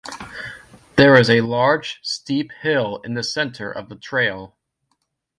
There is a large, steep hill in the center of the trail.